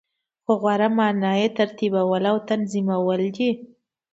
خو غوره معنا یی ترتیبول او تنظیمول دی .